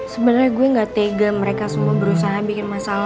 sebenernya gue gak tega mereka semua berusaha bikin masalah buat lo